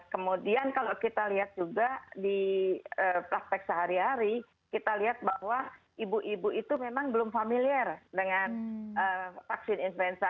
kemudian kalau kita lihat juga di praktek sehari hari kita lihat bahwa ibu ibu itu memang belum familiar dengan vaksin influenza